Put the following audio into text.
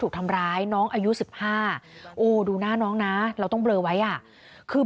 ถูกทำร้ายน้องอายุ๑๕โอ้ดูหน้าน้องนะเราต้องเบลอไว้อ่ะคือ